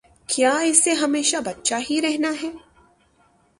کیا اسے ہمیشہ بچہ ہی رہنا ہے؟